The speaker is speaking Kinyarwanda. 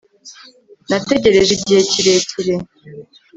nategereje igihe kirekire